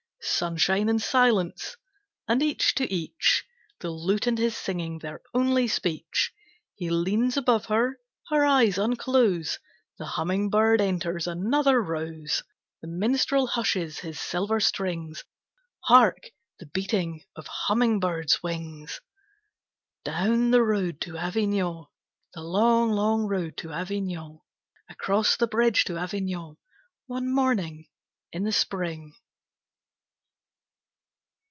Sunshine and silence, and each to each, The lute and his singing their only speech; He leans above her, her eyes unclose, The humming bird enters another rose. The minstrel hushes his silver strings. Hark! The beating of humming birds' wings! Down the road to Avignon, The long, long road to Avignon, Across the bridge to Avignon, One morning in the spring.